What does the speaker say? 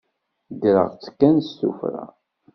Ddreɣ-tt kan s tuffra.